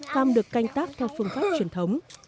cam được canh tác theo phương pháp truyền thống